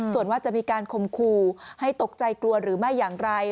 ส่วนว่าจะมีการคมคู่ให้ตกใจกลัวหรือไม่อย่างไร